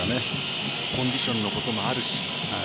コンディションのこともあるし。